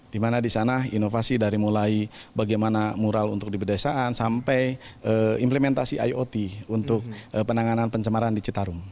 dimana di sana inovasi dari mulai bagaimana mural untuk di pedesaan sampai implementasi iot untuk penanganan pencemaran di citarum